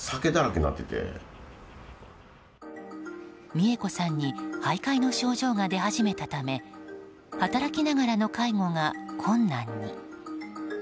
三恵子さんに徘徊の症状が出始めたため働きながらの介護が困難に。